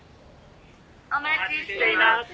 「お待ちしています」